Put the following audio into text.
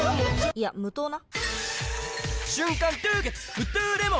いや無糖な！